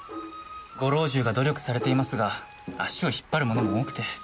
ご老中が努力されていますが足を引っ張る者も多くて。